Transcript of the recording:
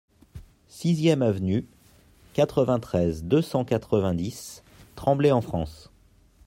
Sixième Avenue, quatre-vingt-treize, deux cent quatre-vingt-dix Tremblay-en-France